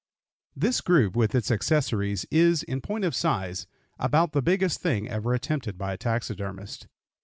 This group, with its accessories, is, in point of size, about the biggest thing ever attempted by a taxidermist.